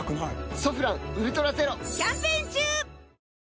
「ソフランウルトラゼロ」キャンペーン中！